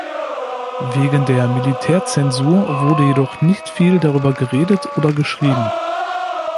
Wegen der Militärzensur wurde jedoch nicht viel darüber geredet oder geschrieben.